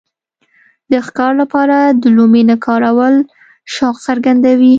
د ښکار لپاره د لومې نه کارول شوق څرګندوي.